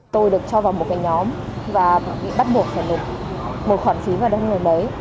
tôi được cho vào một cái nhóm và bị bắt buộc phải lục một khoản phí vào đơn người đấy